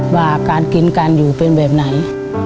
ว่าการกินการอยู่เป็นแบบไหน